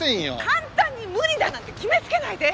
簡単に無理だなんて決めつけないで！